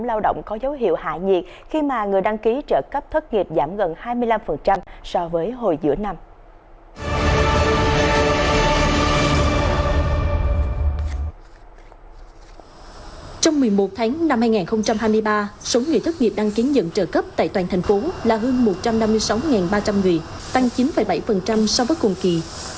trong một mươi một tháng năm hai nghìn hai mươi ba số người thất nghiệp đăng kiến nhận trợ cấp tại toàn thành phố là hơn một trăm năm mươi sáu ba trăm linh người tăng chín bảy so với cùng kỳ